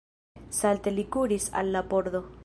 Salte li kuris al la pordo.